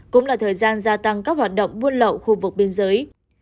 cũng là thời gian gia tăng các hoạt động buôn lậu khu vực biên giới